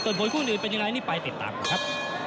ก่อนโผล่คู่อื่นเป็นยังไงนี่ไปติดตามครับ